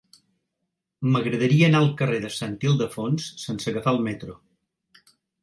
M'agradaria anar al carrer de Sant Ildefons sense agafar el metro.